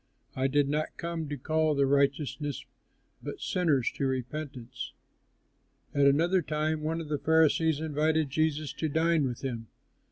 I did not come to call the righteous but sinners to repentance." At another time one of the Pharisees invited Jesus to dine with him.